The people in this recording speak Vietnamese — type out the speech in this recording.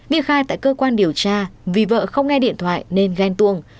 my khai tại cơ quan điều tra vì vợ không nghe điện thoại nên ghen tuông